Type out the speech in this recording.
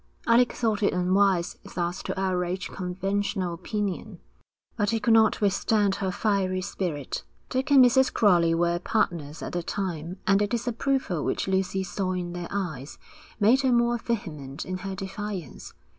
Alec thought it unwise thus to outrage conventional opinion, but he could not withstand her fiery spirit. Dick and Mrs. Crowley were partners at the time, and the disapproval which Lucy saw in their eyes, made her more vehement in her defiance.